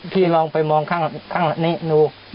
พี่ลองไปมองข้างนี้ดู